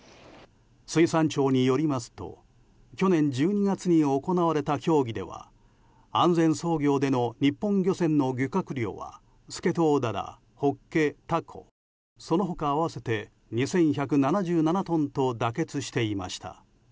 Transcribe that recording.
水産庁によりますと去年１２月に行われた協議では安全操業での日本漁船の漁獲量はスケトウダラ、ホッケ、タコその他合わせて２１７７トンと妥結していました。